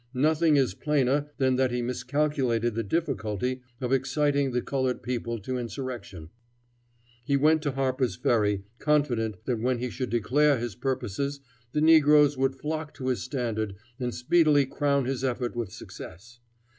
Nothing is plainer than that he miscalculated the difficulty of exciting the colored people to insurrection. He went to Harper's Ferry, confident that when he should declare his purposes, the negroes would flock to his standard and speedily crown his effort with success.